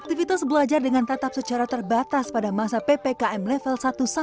aktivitas belajar dengan tatap secara terbatas pada masa ppkm level satu